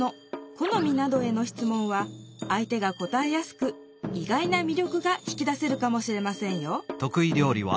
このみなどへのしつもんは相手が答えやすく意外なみりょくが引き出せるかもしれませんよ。